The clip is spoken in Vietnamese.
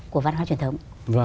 của văn hóa truyền thống